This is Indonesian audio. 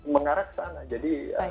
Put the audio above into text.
mengarah ke sana jadi